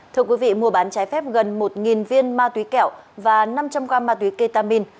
thưa quý vị mua bán trái phép gần một viên ma túy kẹo và năm trăm linh gram ma túy ketamin